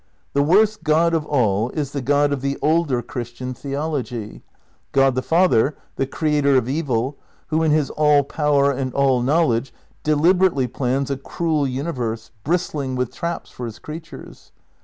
The worst God of all is the God of the older Christian theology : God the Father, the creator of evil, who in his all power and all knowledge delib erately plans a cruel universe bristling with traps for his creatures.